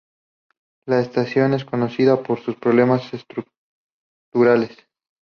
La estación es conocida por sus problemas estructurales.